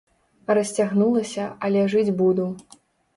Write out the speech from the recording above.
Расцягнулася, але жыць буду.